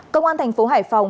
công an thành phố hải phòng